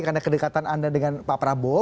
karena kedekatan anda dengan pak prabowo